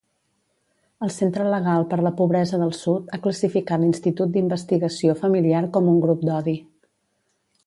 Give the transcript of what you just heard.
El Centre Legal per la Pobresa del Sud ha classificat l'Institut d'Investigació Familiar com un grup d'odi.